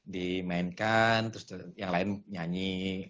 dimainkan terus yang lain nyanyi